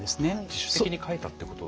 自主的に書いたってこと。